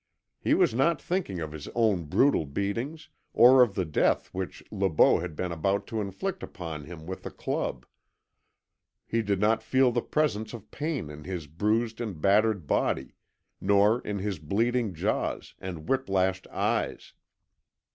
He was not thinking of his own brutal beatings, or of the death which Le Beau had been about to inflict upon him with the club; he did not feel the presence of pain in his bruised and battered body, nor in his bleeding jaws and whip lashed eyes.